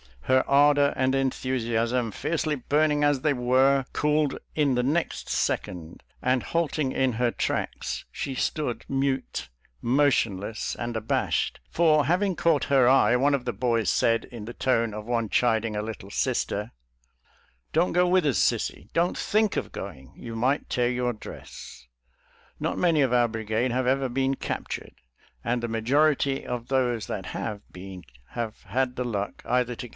Her ardor and enthusiasm, fiercely burning as they were, cooled in i the next second, and halting in her trafcks, she stood mute, motionless and abashed, for having caught her eye, one of the boys said in the tone of one chiding a little sister, " Don't go with us, Sissie — don't think of going; you might tear your dress." «♦«»• Not many of our brigade have ever been cap tured, and the majority of those that have been havp.had the luck either to.